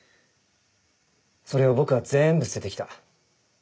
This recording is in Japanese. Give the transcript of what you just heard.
それを僕はぜんぶ捨てて来た。